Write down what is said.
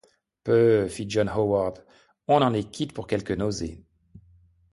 Peuh!... fit John Howard, on en est quitte pour quelques nausées.